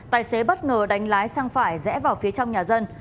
tài xế bất ngờ đánh lái sang phải rẽ vào phía trong nhà dân